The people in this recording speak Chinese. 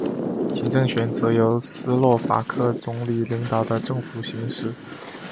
行政权则由斯洛伐克总理领导的政府行使。